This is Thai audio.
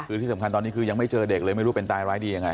คือที่สำคัญตอนนี้คือยังไม่เจอเด็กเลยไม่รู้เป็นตายร้ายดียังไง